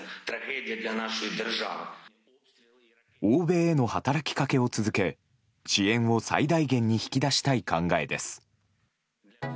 欧米への働きかけを続け支援を最大限に引き出したい考えです。